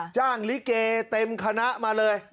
ลิเกเต็มคณะมาเลย